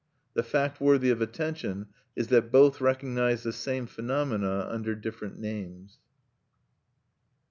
The fact worthy of attention is that both recognize the same phenomena under different names.